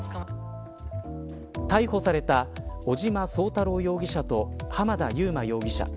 逮捕された尾島壮太郎容疑者と浜田祐摩容疑者。